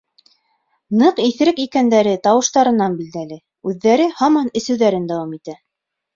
Ныҡ иҫерек икәндәре тауыштарынан билдәле, үҙҙәре һаман әсеүҙәрен дауам итә.